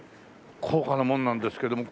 高価なものなんですけども。